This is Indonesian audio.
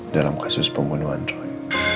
dalam kasus pembunuhan roy